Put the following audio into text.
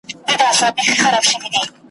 د غوايي په څېر به ټوله ورځ کړېږي ,